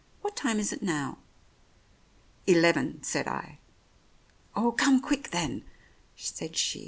What time is it now ?" "Eleven," said I. "Oh, come quick, then," said she.